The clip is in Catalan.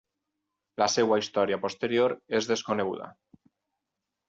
La seva història posterior és desconeguda.